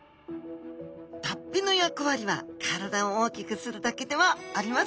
脱皮の役割は体を大きくするだけではありません。